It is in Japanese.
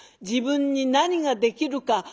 自分に何ができるか。